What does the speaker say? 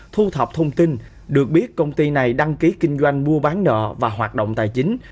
thu thập thông tin được biết công ty này đăng ký kinh doanh mua bán nợ và hoạt động tài chính